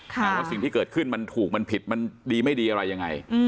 แต่ว่าสิ่งที่เกิดขึ้นมันถูกมันผิดมันดีไม่ดีอะไรยังไง